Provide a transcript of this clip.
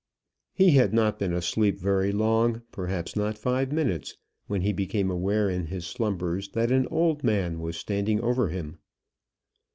He had not been asleep very long, perhaps not five minutes, when he became aware in his slumbers that an old man was standing over him.